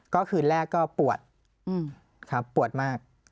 ก็คืนแรกก็ปวดครับปวดมาก